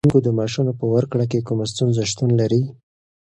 ایا د ښوونکو د معاشونو په ورکړه کې کومه ستونزه شتون لري؟